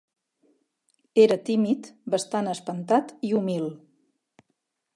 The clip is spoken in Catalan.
Era tímid, bastant espantat i humil.